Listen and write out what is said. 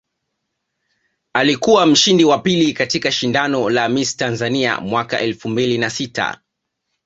Alikuwa mshindi wa pili katika shindano la Miss Tanzania mwaka elfu mbili na sita